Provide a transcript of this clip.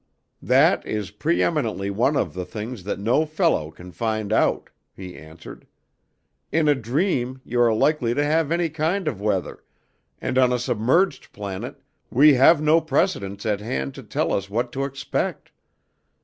"That is pre eminently one of the things that no fellow can find out," he answered. "In a dream you are likely to have any kind of weather, and on a submerged planet we have no precedents at hand to tell us what to expect.